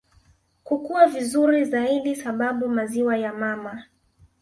kukua vizuri zaidi sababu maziwa ya mama